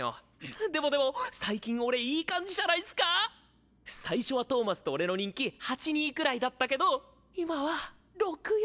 でもでも最近俺いい感じじゃないっスか⁉最初はトーマスと俺の人気８：２くらいだったけど今は６：４！